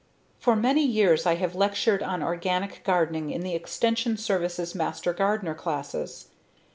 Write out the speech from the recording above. For many years I have lectured on organic gardening to the Extension Service's master gardener classes.